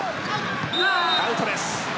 アウトです。